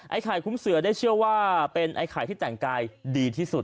ไข่คุ้มเสือได้เชื่อว่าเป็นไอ้ไข่ที่แต่งกายดีที่สุด